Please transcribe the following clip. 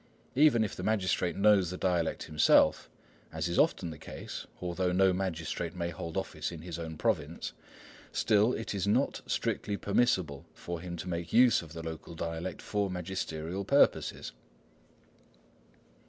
Even if the magistrate knows the dialect himself,—as is often the case, although no magistrate may hold office in his own province,—still it is not strictly permissible for him to make use of the local dialect for magisterial purposes.